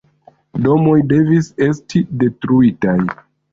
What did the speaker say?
Domoj devis esti detruitaj.